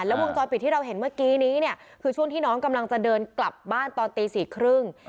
วงจรปิดที่เราเห็นเมื่อกี้นี้เนี่ยคือช่วงที่น้องกำลังจะเดินกลับบ้านตอนตีสี่ครึ่ง